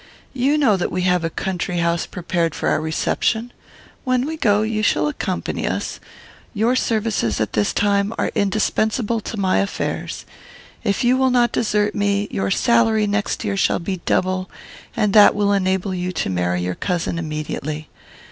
You know that we have a country house prepared for our reception. When we go, you shall accompany us. Your services at this time are indispensable to my affairs. If you will not desert me, your salary next year shall be double; and that will enable you to marry your cousin immediately.